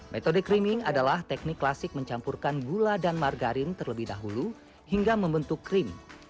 metode creaming adalah teknik klasik mencampurkan gula dan margarin terlebih dahulu hingga membentuk krim